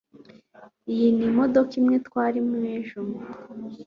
Iyi ni imodoka imwe twarimo ejo